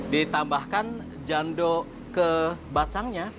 ditambahkan jandol ke bacangnya